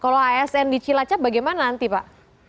kalau asn di cilacap bagaimana nanti pak